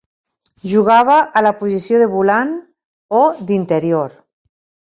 Jugava a la posició de volant o d'interior.